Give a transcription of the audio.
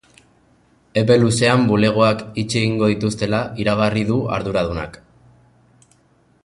Epe luzean bulegoak itxi egingo dituztela iragarri du arduradunak.